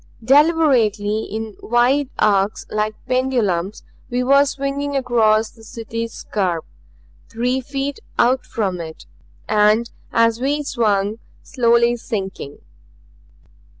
Deliberately, in wide arcs like pendulums, we were swinging across the City's scarp; three feet out from it, and as we swung, slowly sinking.